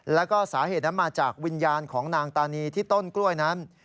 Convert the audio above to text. แล้วก็สาเหตุนั้นมาจากวิญญาณของนางตานีที่ต้นกล้วยนั้น